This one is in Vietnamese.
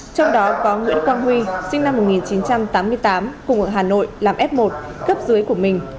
trong đó có nguyễn quang huy sinh năm một nghìn chín trăm tám mươi tám cùng ở hà nội làm f một cấp dưới của mình